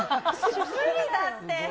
無理だって。